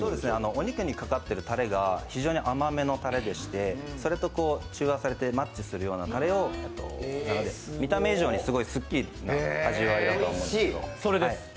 お肉にかかっているタレが非常に甘めのタレでして、それと中和されてマッチするようなタレを見た目以上にすごいすっきりな味わいだと思うんですよ。